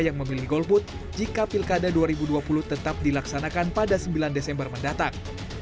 yang memilih golput jika pilkada dua ribu dua puluh tetap dilaksanakan pada sembilan desember mendatang